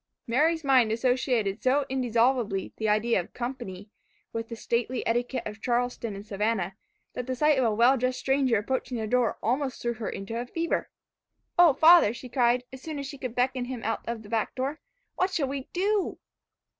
Mary's mind associated so indissolubly the idea of company, with the stately etiquette of Charleston and Savannah, that the sight of a well dressed stranger approaching their door, threw her almost into a fever. "Oh! father," she cried, as soon as she could beckon him out of the back door, "what shall we do?"